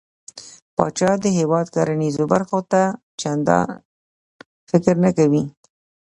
پاچا د هيواد کرنېزو برخو ته چنديان فکر نه کوي .